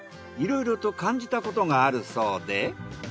いろいろと感じたことがあるそうで。